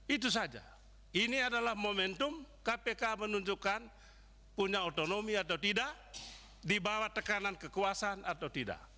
itu saja ini adalah momentum kpk menunjukkan punya otonomi atau tidak dibawa tekanan kekuasaan atau tidak